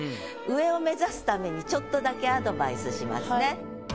上を目指すためにちょっとだけアドバイスしますね。